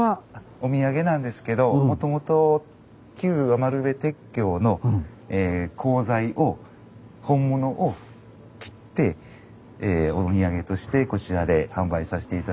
お土産なんですけどもともと旧余部鉄橋の鋼材を本物を切ってお土産としてこちらで販売さして頂いてるんです。